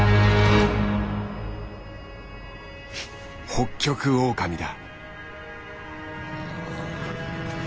ホッキョクオオカミだ。